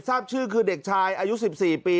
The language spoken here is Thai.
ทราบชื่อคือเด็กชายอายุ๑๔ปี